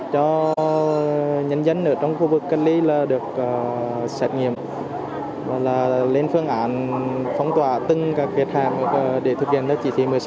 cho nhân dân ở trong khu vực cách ly là được xét nghiệm là lên phương án phong tỏa từng các kiệt hạm để thực hiện đất chỉ thị một mươi sáu